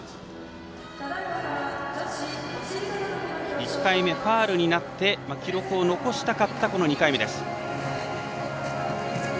１回目ファウルになって記録を残したかった２回目です。